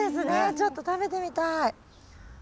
ちょっと食べてみたい。